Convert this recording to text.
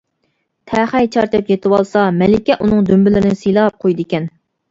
تەخەي چارچاپ يېتىۋالسا، مەلىكە ئۇنىڭ دۈمبىلىرىنى سىيلاپ قۇيىدىكەن.